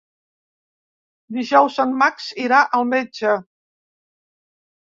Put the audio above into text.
Dijous en Max irà al metge.